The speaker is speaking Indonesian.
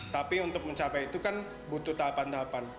tapi untuk mencapai itu kan butuh tahapan tahapan